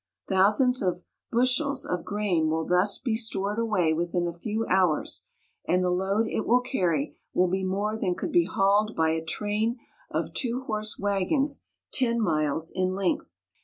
Thousands of bushels of grain will be thus stored away within a few hours, and the load it wall carry will be more than could be hauled by a train of two horse wagons ten miles in length.